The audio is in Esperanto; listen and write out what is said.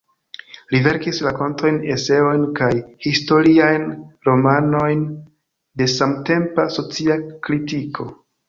Li verkis rakontojn, eseojn kaj historiajn romanojn de samtempa socia kritiko.